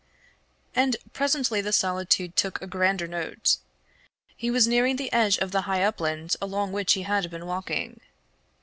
And presently the solitude took a grander note. He was nearing the edge of the high upland along which he had been walking.